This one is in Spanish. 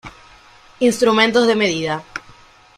Instrumentos de medida